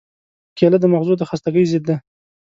کېله د مغزو د خستګۍ ضد ده.